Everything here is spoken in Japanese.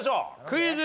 クイズ。